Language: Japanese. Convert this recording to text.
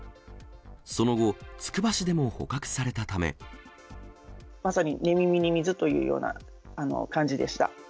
その後、まさに寝耳に水というような感じでした。